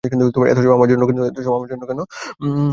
কিন্তু, এত সেবা আমার জন্যে কেন?